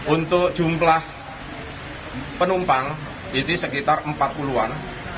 untuk jumlah penumpang itu sekitar empat puluh an